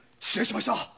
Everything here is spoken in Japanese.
失礼しました。